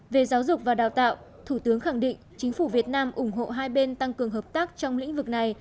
về giáo dục và đào tạo thủ tướng khẳng định chính phủ việt nam ủng hộ hai bên tăng cường hợp tác trong lĩnh vực này